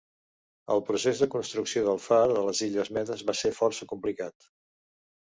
El procés de construcció del far de les Illes Medes va ser força complicat.